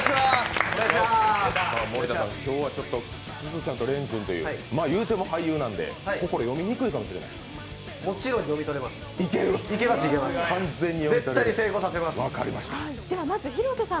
今日はすずちゃんと廉君といういうても俳優なんで心、読みにくいかもしれません。